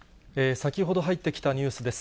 先ほど入ってきたニュースです。